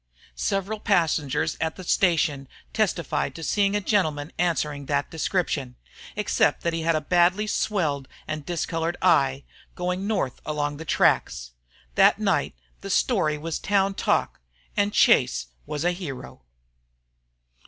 Several passengers at the station testified to seeing a gentleman answering that description except that he had a badly swelled and discolored eye going north along the tracks. That night the story was town talk and Chase was a hero.